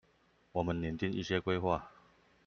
我們擬訂一些規劃